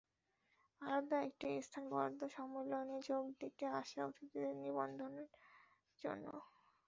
আলাদা একটি স্থান বরাদ্দ সম্মেলনে যোগ দিতে আসা অতিথিদের নিবন্ধনের জন্য।